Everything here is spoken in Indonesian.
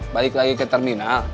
balik lagi ke terminal